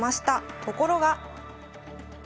ところが。